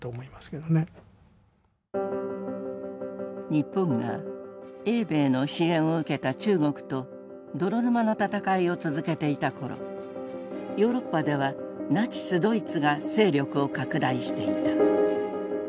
日本が英米の支援を受けた中国と泥沼の戦いを続けていた頃ヨーロッパではナチス・ドイツが勢力を拡大していた。